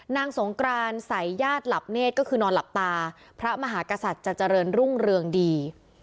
นางสงกรานใส่ญาติหลับเนธก็คือนอนหลับตาพระมหากษัตริย์จะเจริญรุ่งเรืองดี